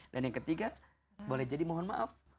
dan yang ketiga boleh jadi mohon maaf